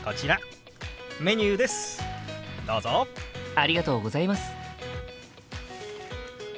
ありがとうございます。